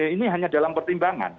ini hanya dalam pertimbangan